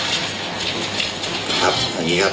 แล้วก็รูปภาพรูดภาพพอรูปภาพเนี่ยมันชัดเจนว่าเขามีแค่สามชุดนะครับ